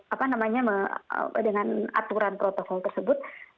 apa namanya dengan aturan protokol tersebut